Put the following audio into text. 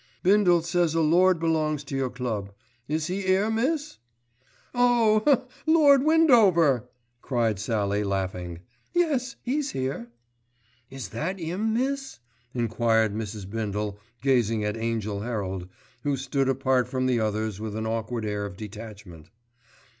"Bindle says a lord belongs to your club. Is he here, miss?" "Oh! Lord Windover," cried Sallie laughing, "Yes, he's here." "Is that him, miss?" enquired Mrs. Bindle gazing at Angell Herald, who stood apart from the others with an awkward air of detachment.